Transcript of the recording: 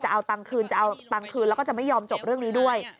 เอาตังค์คืนจะเอาตังค์คืนแล้วก็จะไม่ยอมจบเรื่องนี้ด้วย